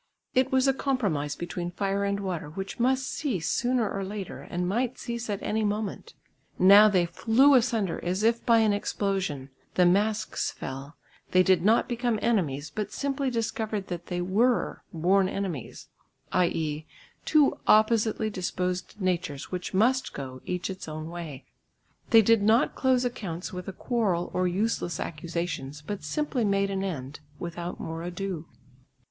It was a compromise between fire and water which must cease sooner or later and might cease at any moment. Now they flew asunder as if by an explosion; the masks fell; they did not become enemies, but simply discovered that they were born enemies, i.e. two oppositely disposed natures which must go, each its own way. They did not close accounts with a quarrel or useless accusations, but simply made an end without more ado.